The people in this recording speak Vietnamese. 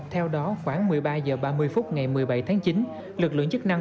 theo đó khoảng một mươi ba h ba mươi phút ngày một mươi bảy tháng chín